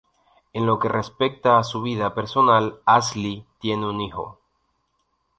En lo que respecta a su vida personal, Ashley tiene un hijo.